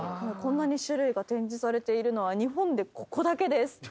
こんなに種類が展示されているのは日本でここだけです。